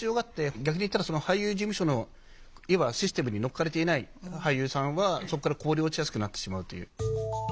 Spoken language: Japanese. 逆に言ったら俳優事務所のいわばシステムに乗っかれていない俳優さんはそこからこぼれ落ちやすくなってしまうっていう。